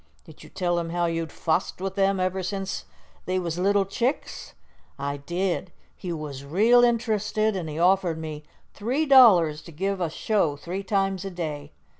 "Did you tell him how you'd fussed with them ever since they was little chicks?" "I did. He wuz real interested, an' he offered me three dollars to give a show three times a day.